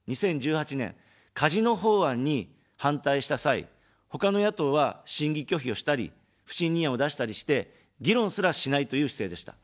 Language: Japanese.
２０１８年、カジノ法案に反対した際、ほかの野党は審議拒否をしたり、不信任案を出したりして、議論すらしないという姿勢でした。